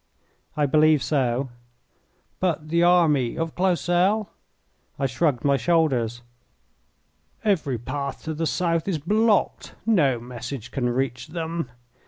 "I believe so." "But the army of Clausel?" I shrugged my shoulders. "Every path to the south is blocked. No message can reach them.